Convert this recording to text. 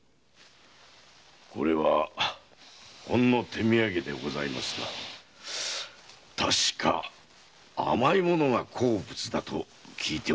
これはほんの手土産でございますが確か甘い物が好物だと聞いておりました。